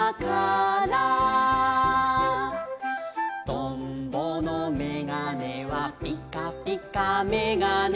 「とんぼのめがねはピカピカめがね」